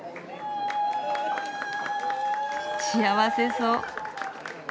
幸せそう。